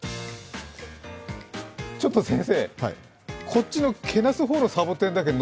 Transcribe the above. ちょっと先生、こっちのけなす方のサボテンだけノ